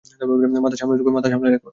মাথা সামলে রাখো!